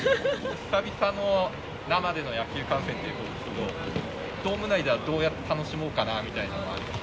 久々の生での野球観戦ということですが、ドーム内ではどうやって楽しもうかなとかあります？